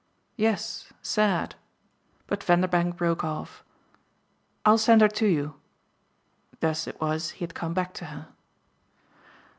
"Yes. Sad." But Vanderbank broke off. "I'll send her to you." Thus it was he had come back to her.